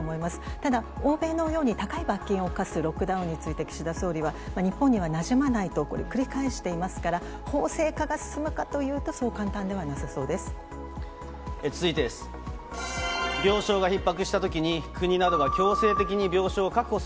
ただ、欧米のように高い罰金を科すロックダウンについて、岸田総理は、日本にはなじまないと、繰り返していますから、法制化が進むかというと、そう簡単ではな続いてです。